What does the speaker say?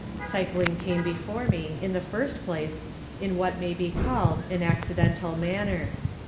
Cycling came before me in the first place in what may be called an accidental manner.